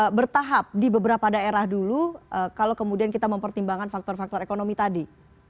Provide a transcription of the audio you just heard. apakah bertahap di beberapa daerah dulu kalau kemudian kita mempertimbangkan faktor faktor ekonomi tadi